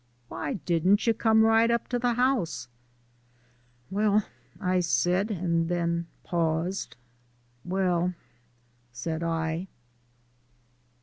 "Why didn't you come right up to the house?" "Well " I said, and then paused. "Well..." said I.